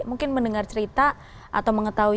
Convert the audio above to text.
mungkin mendengar cerita atau mengetahui